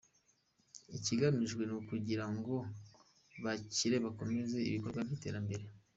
Ikigamijwe ni ukugira ngo bakire bakomeze ibikorwa by’iterambere.